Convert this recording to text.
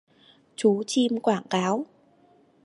Chú chim"quảng cáo"